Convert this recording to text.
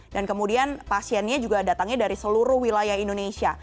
kemudian pasiennya juga datangnya dari seluruh wilayah indonesia